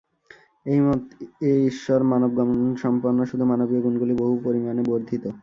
এই মতে ঈশ্বর মানবগুণসম্পন্ন, শুধু মানবীয় গুণগুলি বহু পরিমাণে বর্ধিত।